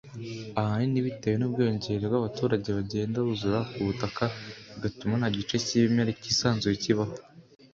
ahanini bitewe n’ubwiyongere bw’abaturage bagenda buzura ku butaka bigatuma nta gice k’ibimera kisanzuye kikibaho